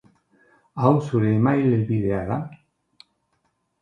Hau zure email helbidea da?